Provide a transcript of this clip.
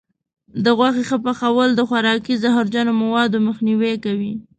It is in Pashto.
د غوښې ښه پخول د خوراکي زهرجنو موادو مخنیوی کوي.